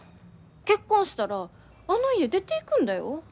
結婚したらあの家出ていくんだよ。